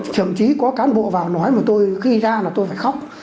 thậm chí có cán bộ vào nói mà tôi khi ra là tôi phải khóc